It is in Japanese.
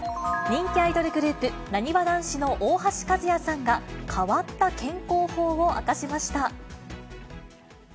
人気アイドルグループ、なにわ男子の大橋和也さんが、変わった健康法を明かしました。